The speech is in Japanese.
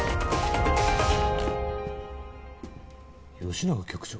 吉永局長。